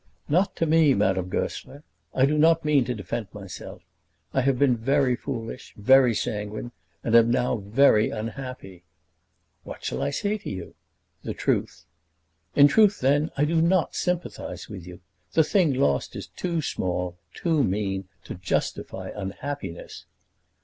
"Not to me, Madame Goesler. I do not mean to defend myself. I have been very foolish, very sanguine, and am now very unhappy." "What shall I say to you?" "The truth." "In truth, then, I do not sympathise with you. The thing lost is too small, too mean to justify unhappiness."